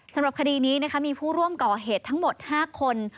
สำหรับคดีนี้มีผู้ร่วมก่อเหตุทั้งหมด๕คน